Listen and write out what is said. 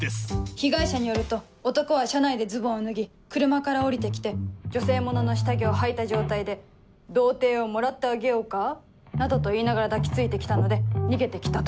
被害者によると男は車内でズボンを脱ぎ車から降りて来て女性物の下着をはいた状態で「童貞をもらってあげようか」などと言いながら抱き付いて来たので逃げて来たと。